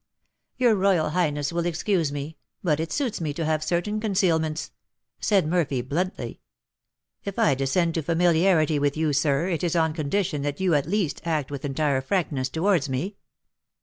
"Your royal highness will excuse me, but it suits me to have certain concealments," said Murphy, bluntly. "If I descend to familiarity with you, sir, it is on condition that you, at least, act with entire frankness towards me."